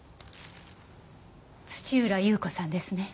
土浦裕子さんですね？